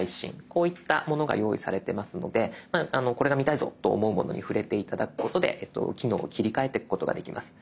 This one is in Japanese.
こういったものが用意されてますのでこれが見たいぞと思うものに触れて頂くことで機能を切り替えてくことができます。